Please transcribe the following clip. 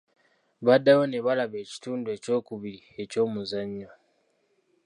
Baddayo ne balaba ekitundu eky'okubiri eky'omuzannyo.